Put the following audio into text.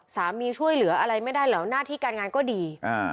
ช่วยเหลืออะไรไม่ได้เหรอหน้าที่การงานก็ดี